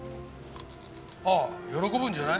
ああ喜ぶんじゃない？